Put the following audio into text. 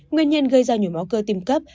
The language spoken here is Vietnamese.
nguyên nhân gây ra nhồi máu cơ tim cấp